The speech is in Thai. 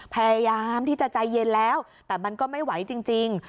พยายามที่จะใจเย็นแล้วแต่มันก็ไม่ไหวจริง